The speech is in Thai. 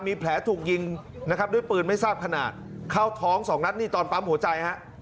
มีแผลถูกยิงนะครับด้วยปืนไม่ทราบขนาดเข้าท้องสองนัดนี่ตอนปั๊มหัวใจฮะ